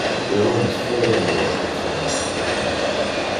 Io non es fede ma io etiam non es belle.